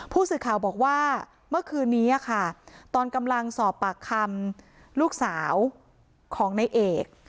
ผู้สื่อข่าวบอกว่าเมื่อคืนนี้ค่ะตอนกำลังสอบปากคำลูกสาวของในเอก